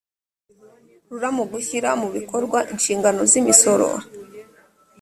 rura mu gushyira mu bikorwa inshingano zimisoro